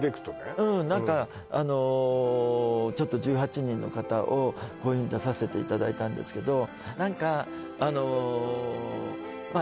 うん何かあのちょっと１８人の方をこういうふうに出させていただいたんですけど何かあのまあ